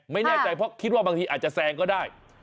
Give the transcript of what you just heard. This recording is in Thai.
ไม่แน่ใจเพราะคิดว่าบางทีอาจจะแซงก็ได้